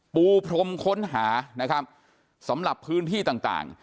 ปูพรมค้นหานะครับสำหรับพื้นที่ต่างต่าง